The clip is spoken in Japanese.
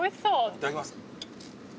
いただきます。